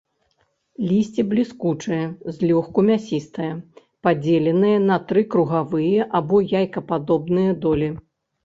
Лісце бліскучае, злёгку мясістае, падзеленае на тры круглявыя або яйкападобныя долі.